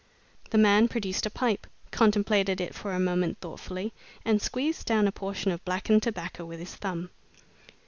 The man produced a pipe, contemplated it for a moment thoughtfully, and squeezed down a portion of blackened tobacco with his thumb.